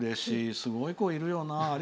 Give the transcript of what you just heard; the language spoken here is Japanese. すごい子がいるよな。